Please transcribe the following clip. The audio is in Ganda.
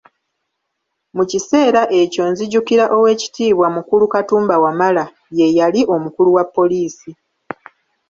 Mu kiseera ekyo nzijukira Oweekitiibwa Mukulu Katumba Wamala ye yali omukulu wa poliisi.